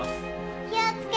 気をつけ。